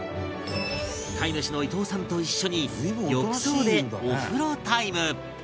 飼い主の伊東さんと一緒に浴槽でお風呂タイム！